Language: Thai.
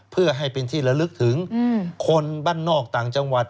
เพื่อให้เป็นที่ระลึกถึงคนบ้านนอกต่างจังหวัด